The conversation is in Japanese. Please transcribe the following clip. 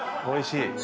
おいしい？